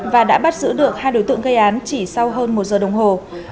và đã bắt giữ được hai đối tượng gây án chỉ sau hơn một giờ đồng hồ